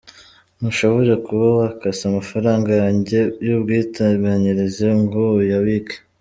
Ntushobora kuba wakase amafaranga yanjye y’ubwiteganyirize ngo uyabike.